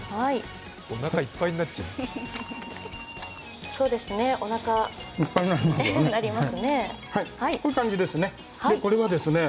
おなかいっぱいになりますね。